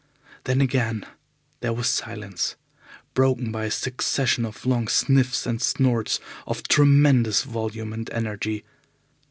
Then again there was silence, broken by a succession of long sniffs and snorts of tremendous volume and energy.